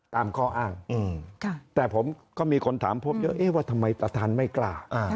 ตามข้ออ้างแต่ผมก็มีคนถามพบเยอะว่าทำไมประธานไม่กล้า